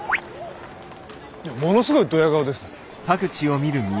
ものすごいどや顔ですね。